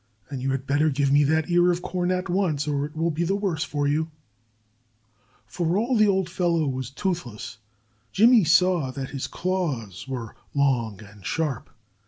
"And you had better give me that ear of corn at once, or it will be the worse for you." For all the old fellow was toothless, Jimmy saw that his claws were long and sharp.